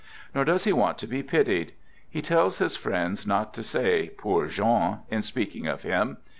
Nor does he want to be pitied. He tells his friends not to say " poor Jean," in speaking of thim.